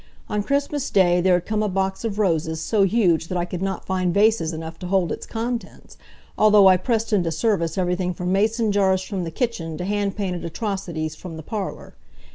On Christmas day there had come a box of roses so huge that I could not find vases enough to hold its contents, although I pressed into service everything from Mason jars from the kitchen to hand painted atrocities from the parlor.